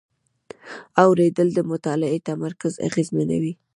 اورېدل د مطالعې تمرکز اغېزمنوي.